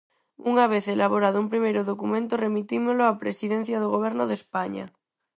Unha vez elaborado un primeiro documento, remitímolo á Presidencia do Goberno de España.